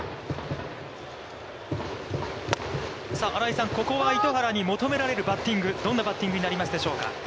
新井さん、ここは糸原に求められるバッティング、どんなバッティングになりますでしょうか。